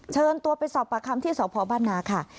เชิญตัวไปสอบปากคำที่สพบ้านนาค่ะ